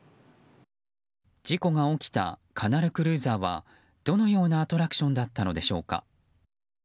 事故が起きたカナルクルーザーはどのようなアトラクションだったのでしょうか。